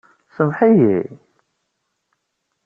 Samḥ-iyi...